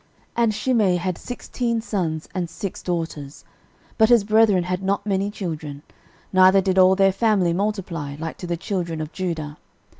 13:004:027 And Shimei had sixteen sons and six daughters: but his brethren had not many children, neither did all their family multiply, like to the children of Judah.